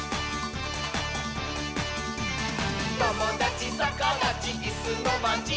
「ともだちさかだちいすのまち」